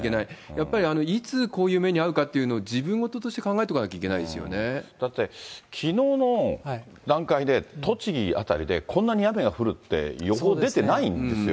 やっぱりいつ、こういう目に遭うかっていうのを自分事として考えておかなきゃいだって、きのうの段階で、栃木辺りで、こんなに雨が降るって予報出てないんですよ。